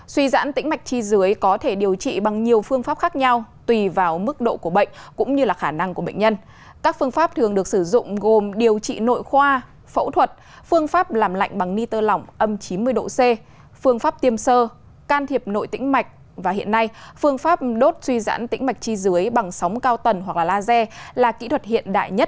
xuy giãn tĩnh mạch chi dưới là tình trạng suy giãn tĩnh mạch chi dưới từ đó dẫn đến hiện tượng máu bị ứ động ở vùng chân biến đổi về huyết động và gây biến dạng tổ chức mô xung quanh